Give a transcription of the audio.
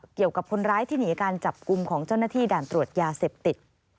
เกี่ยวกับคนร้ายที่หนีการจับกลุ่มของเจ้าหน้าที่ด่านตรวจยาเสพติด